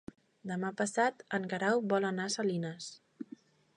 Demà passat en Guerau vol anar a Salines.